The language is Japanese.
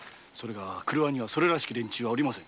廓にはそれらしき連中はおりません。